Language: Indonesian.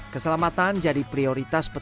keselamatan jadi prioritas petani